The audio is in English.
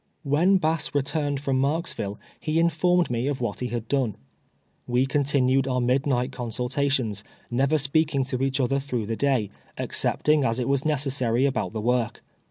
"When Bass returned from Marksville he informed me of what he had done. We continued our mid night consultations, never speaking to each other through the day, excepting as it was necessary al)out the work.